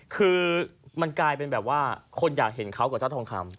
คือมันกลายเป็นแบบว่าคนอยากเห็นเขากับเจ้าทองคำ